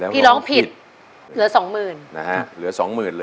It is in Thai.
พี่ร้องผิดเหลือ๒หมื่น